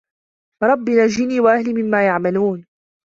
رَبِّ نَجِّنِي وَأَهْلِي مِمَّا يَعْمَلُونَ